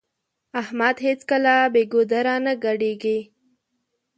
احمد هيڅکله بې ګودره نه ګډېږي.